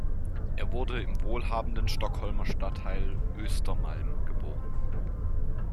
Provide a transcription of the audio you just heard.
Er wurde im wohlhabenden Stockholmer Stadtteil Östermalm geboren.